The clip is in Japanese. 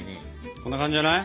こんな感じじゃない？